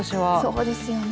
そうですよね。